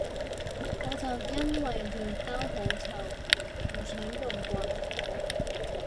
我就因為尿兜好臭唔想有棍